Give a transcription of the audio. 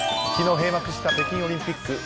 昨日、閉幕した北京オリンピック。